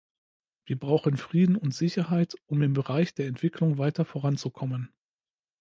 Wir brauchen Frieden und Sicherheit, um im Bereich der Entwicklung weiter voranzukommen.